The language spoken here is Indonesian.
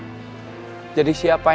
bagaimana cara dia mengambil uang